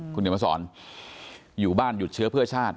คุณเดี๋ยวมาสอนอยู่บ้านหยุดเชื้อเพื่อชาติ